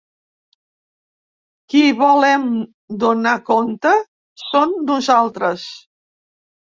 Qui volem donar compte som nosaltres.